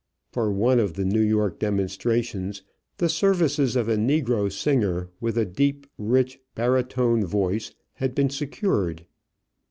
For one of the New York demonstrations the services of a negro singer with a rich barytone voice had been secured.